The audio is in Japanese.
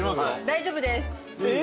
大丈夫です。